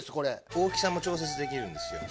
大きさも調節できるんですよ。